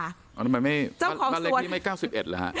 อันนี้ไม่๙๑หรือคะ